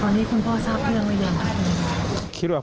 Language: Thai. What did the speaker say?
ตอนนี้คุณพ่อทราบเรื่องว่าอย่างไรครับคุณพ่อ